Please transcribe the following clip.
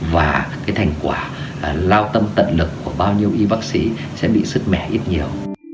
và cái thành quả là lao tâm tận lực của bao nhiêu y bác sĩ sẽ bị sứt mẻ ít nhiều